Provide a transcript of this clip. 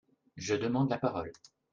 Je demande la parole